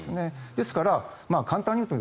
ですから、簡単に言うと